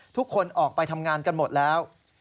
ทุกคนออกไปทำงานกันหมดแล้ว